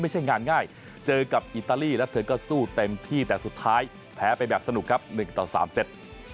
เจอกับอิตาลียารถมือก็สู้เต็มที่แต่สุดท้ายแพ้ไปแบบสนุกครับ๑๓เส็บ